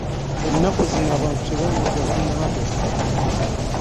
Ennaku zino abantu tebabuuza bannaabwe!